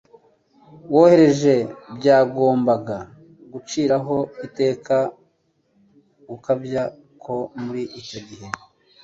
woroheje byagombaga guciraho iteka gukabya ko muri icyo gihe.